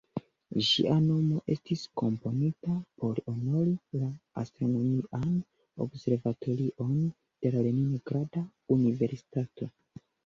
Ĝia nomo estis komponita por honori la "Astronomian Observatorion de la Leningrada Universitato".